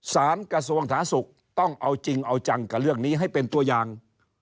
กระทรวงสาธารณสุขต้องเอาจริงเอาจังกับเรื่องนี้ให้เป็นตัวอย่าง